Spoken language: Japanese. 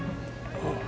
ああ。